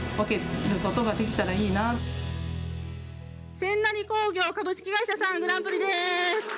千成工業株式会社さん、グランプリです。